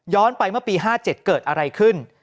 ไปเมื่อปี๕๗เกิดอะไรขึ้น